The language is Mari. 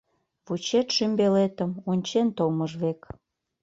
Вучет шӱмбелетым, ончен толмыж век.